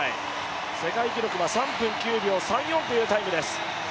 世界記録は３分９秒３４というタイムです。